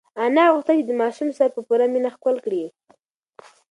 انا غوښتل چې د ماشوم سر په پوره مینه ښکل کړي.